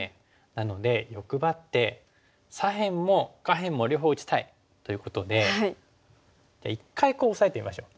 なので欲張って左辺も下辺も両方打ちたい。ということで一回こうオサえてみましょう。